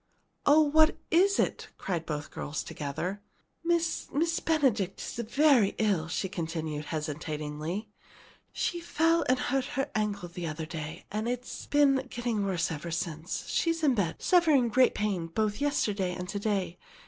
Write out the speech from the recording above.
"Oh, what is it?" cried both girls together. "Miss Miss Benedict is very ill," she continued hesitatingly. "She she fell and hurt her ankle the other day, and it's been getting worse ever since. She's in bed suffering great pain both yesterday and to day.